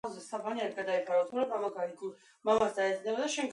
გზასთან ერთად რეგიონში გაჩნდა კოლონიების მთელი რიგი.